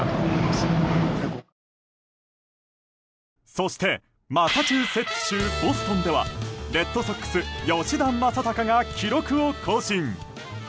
そしてマサチューセッツ州ボストンではレッドソックス、吉田正尚が記録を更新。